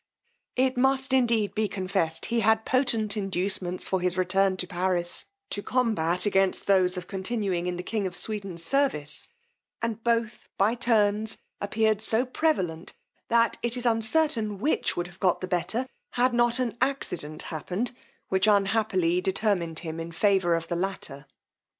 It must indeed be confessed he had potent inducements for his return to Paris, to combat against those of continuing in the king of Sweden's service; and both by turns appeared so prevalent, that it is uncertain which would have got the better, had not an accident happened, which unhappily determined him in favour of the latter.